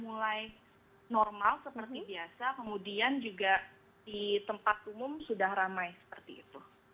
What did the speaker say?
mulai normal seperti biasa kemudian juga di tempat umum sudah ramai seperti itu